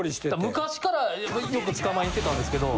昔からよく捕まえに行ってたんですけど。